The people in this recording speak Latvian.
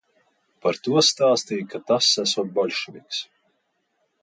Par to stāstīja, ka tas esot boļševiks.